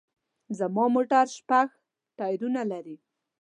زما موټر شپږ ټیرونه لري